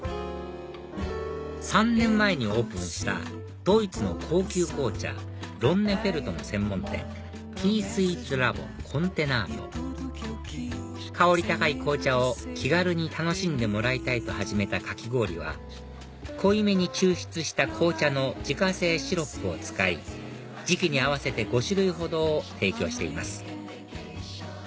３年前にオープンしたドイツの高級紅茶ロンネフェルトの専門店ティースイーツラボコンテナート香り高い紅茶を気軽に楽しんでもらいたいと始めたかき氷は濃いめに抽出した紅茶の自家製シロップを使い時期に合わせて５種類ほどを提供しています